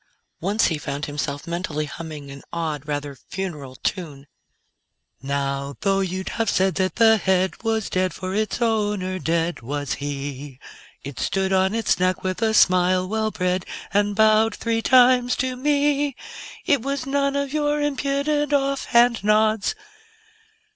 Once he found himself mentally humming an odd, rather funeral tune: _Now, though you'd have said that the head was dead, For its owner dead was he, It stood on its neck with a smile well bred, And bowed three times to me. It was none of your impudent, off hand nods....